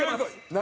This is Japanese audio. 何？